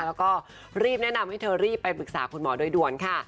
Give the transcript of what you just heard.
แล้วก็รีบแนะนำให้เธอรีบไปปรึกษาคุณหมอโดยด่วนค่ะ